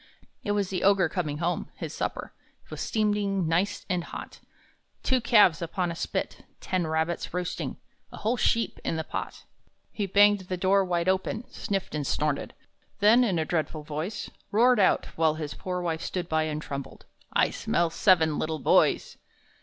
It was the Ogre coming home; his supper Was steaming nice and hot, Two calves upon a spit, ten rabbits roasting, A whole sheep in the pot. He banged the door wide open, sniffed and snorted, Then, in a dreadful voice, Roared out, while his poor wife stood by and trembled, "I smell seven little boys!"